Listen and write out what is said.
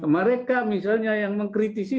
mereka misalnya yang mengkritisi